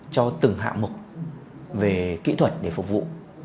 cho từng hạng mục về kỹ thuật để phục vụ